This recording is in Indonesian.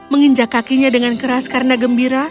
menginjak kakinya dengan keras karena gembira